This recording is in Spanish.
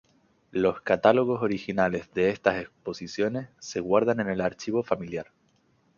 Los catálogos originales de estas exposiciones se guardan en el archivo familiar.